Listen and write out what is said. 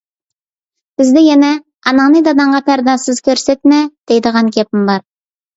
بىزدە يەنە: «ئاناڭنى داداڭغا پەردازسىز كۆرسەتمە» دەيدىغان گەپمۇ بار.